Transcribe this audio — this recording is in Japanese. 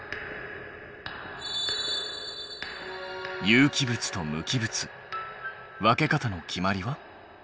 有機物と無機物分け方の決まりは？